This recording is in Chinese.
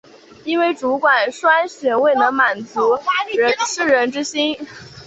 因为主管铨选未能满足士人之心。